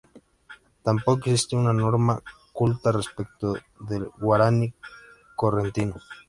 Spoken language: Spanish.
Tampoco existe una norma culta respecto del guaraní correntino.